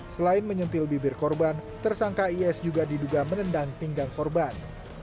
selain menyentil bibir korban tersangka is juga diduga menendang pinggang korban